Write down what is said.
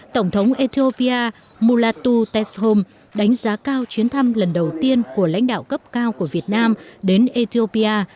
tổng thống ethiopia mulatu t testhom đánh giá cao chuyến thăm lần đầu tiên của lãnh đạo cấp cao của việt nam đến ethiopia